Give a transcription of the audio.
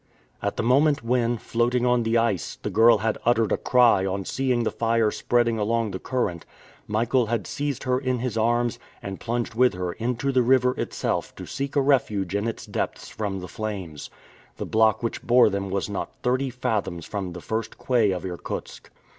At the moment when, floating on the ice, the girl had uttered a cry on seeing the fire spreading along the current, Michael had seized her in his arms, and plunged with her into the river itself to seek a refuge in its depths from the flames. The block which bore them was not thirty fathoms from the first quay of Irkutsk.